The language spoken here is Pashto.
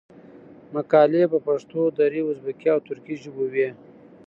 مقالي په پښتو، دري، ازبکي او ترکي ژبو وې.